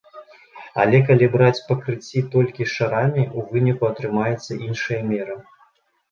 Але калі браць пакрыцці толькі шарамі, у выніку атрымаецца іншая мера.